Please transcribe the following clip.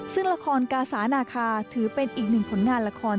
ซึ่งละครกาสานาคาถือเป็นอีกหนึ่งผลงานละคร